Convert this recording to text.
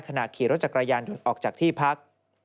ขณะขี่รถจักรยานยนต์ออกจากที่พัก